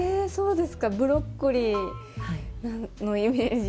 ブロッコリーのイメージ。